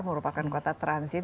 merupakan kota transit